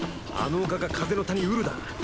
あの丘が風の谷ウルだ。